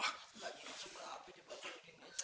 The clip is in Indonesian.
udah diem loh